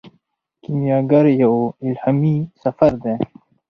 کیمیاګر یو الهامي سفر دی.